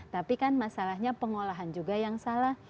tapi kan masalahnya pengolahan juga yang salah